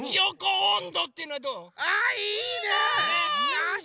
よし！